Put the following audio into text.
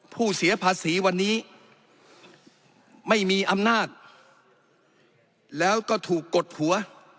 เสียภาษีวันนี้ไม่มีอำนาจแล้วก็ถูกกดหัว